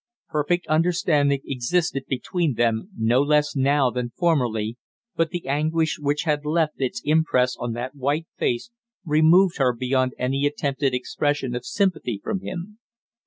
Perfect understanding existed between them no less now than formerly, but the anguish which had left its impress on that white face removed her beyond any attempted expression of sympathy from him.